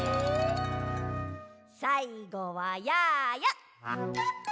さいごはやーや。